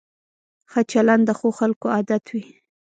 ښه چلند د ښو خلکو عادت وي.